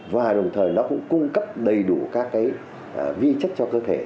và đồng thời nó cũng cung cấp đầy đủ các vi chất cho cơ thể